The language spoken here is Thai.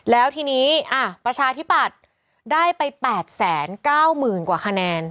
แล้วทีนี้ประชาธิปัตย์ได้ไป๘๙๐๐๐กว่าคะแนน